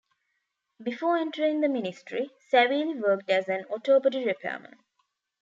Before entering the ministry, Savelle worked as an autobody repairman.